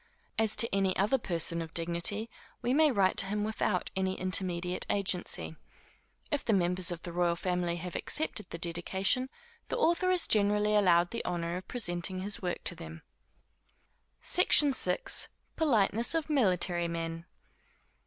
As to any other person of dignity, we may write to him without any intermediate agency. If the members of the royal family have accepted the dedication, the author is generally allowed the honor of presenting his work to them. SECTION VI. _Politeness of Military Men.